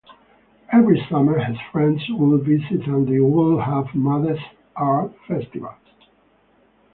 Every summer his friends would visit and they would have modest art festivals.